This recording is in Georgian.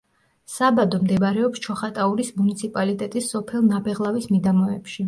საბადო მდებარეობს ჩოხატაურის მუნიციპალიტეტის სოფელ ნაბეღლავის მიდამოებში.